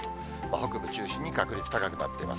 北部中心に確率高くなっています。